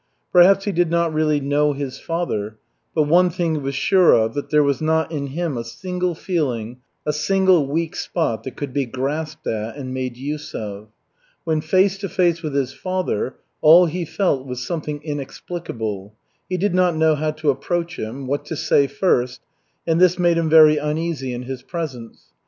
Perhaps he did not really know his father, but one thing he was sure of, that there was not in him a single feeling, a single weak spot that could be grasped at and made use of. When face to face with his father, all he felt was something inexplicable. He did not know how to approach him, what to say first, and this made him very uneasy in his presence.